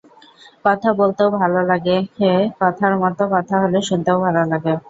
কথা বলতেও ভালো লাগে, কথার মতো কথা হলে শুনতেও ভালো লাগে।